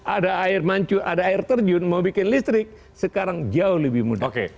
ada air terjun mau bikin listrik sekarang jauh lebih mudah